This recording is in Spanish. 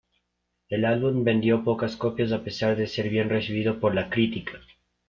El álbum vendió pocas copias, a pesar de ser bien recibido por la crítica.